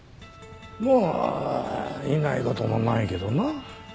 まあいない事もないけどな。